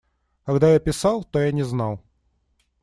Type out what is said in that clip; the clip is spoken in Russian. Когда я писал, то я не знал.